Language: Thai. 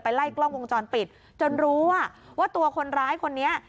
ไล่กล้องวงจรปิดจนรู้ว่าตัวคนร้ายคนนี้